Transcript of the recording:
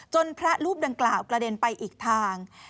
พระรูปดังกล่าวกระเด็นไปอีกทาง